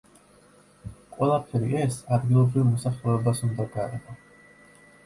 ყველაფერი ეს ადგილობრივ მოსახლეობას უნდა გაეღო.